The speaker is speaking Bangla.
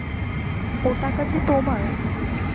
ও টাকা যে তোমার।